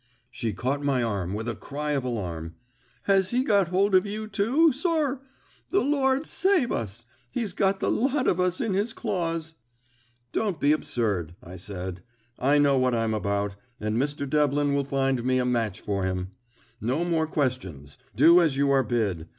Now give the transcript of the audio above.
She caught my arm with a cry of alarm. "Has he got hold of you, too, sir? The Lord save us! He's got the lot of us in his claws!" "Don't be absurd," I said. "I know what I'm about, and Mr. Devlin will find me a match for him. No more questions; do as you are bid.